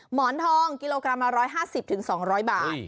หมอนทองกิโลกรัมละ๑๕๐๒๐๐บาท